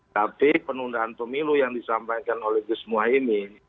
tapi penundaan pemilu yang disampaikan oleh gizmua ini